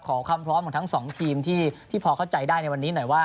ขอความพร้อมของทั้งสองทีมที่พอเข้าใจได้ในวันนี้หน่อยว่า